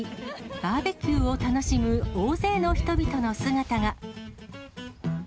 バーベキューを楽しむ大勢の人々の姿が。